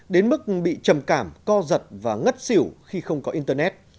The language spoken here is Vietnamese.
đến mức bị trầm cảm co giật và ngất xỉu khi không có internet